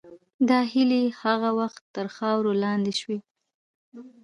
دا هیلې هغه وخت تر خاورې لاندې شوې.